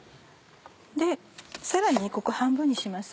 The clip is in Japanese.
さらにここ半分にします。